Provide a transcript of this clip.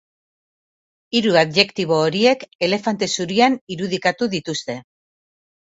Hiru adjektibo horiek elefante zurian irudikatu dituzte.